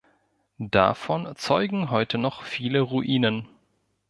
Davon zeugen heute noch viele Ruinen.